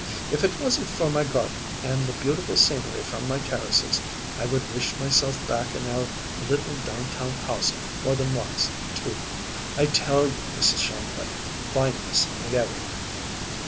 If it wasn't for my garden and the beautiful scenery from my terraces, I would wish myself back in our little down town house more than once, too. I tell you, Mrs. Shongut, fineness ain't everything."